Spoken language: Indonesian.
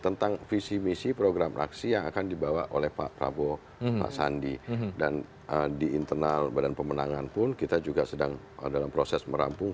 nanti dijawab kang ujang